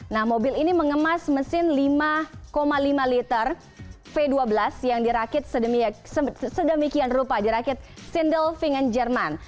nah mobil ini mengemas mesin lima lima liter v dua belas yang dirakit sedemikian rupa dirakit sindel fingen jerman